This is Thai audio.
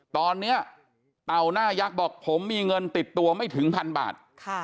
ตอนนี้เต่าหน้ายักษ์บอกผมมีเงินติดตัวไม่ถึงพันบาท